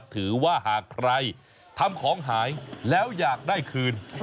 หากใครทำของหายแล้วอยากได้คืน